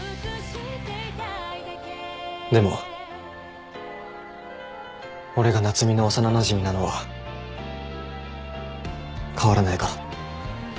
でも俺が夏海の幼なじみなのは変わらないから。